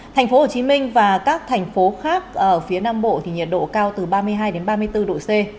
thành phố hồ chí minh và các thành phố khác ở phía nam bộ thì nhiệt độ cao từ ba mươi hai ba mươi bốn độ c